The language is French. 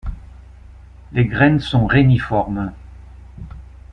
Les graines sont réniformes.